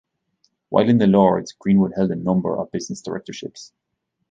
While in the Lords, Greenwood held a number of business directorships.